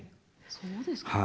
そうですか？